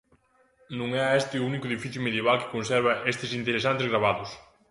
Non é este o único edificio medieval que conserva estes interesantes gravados.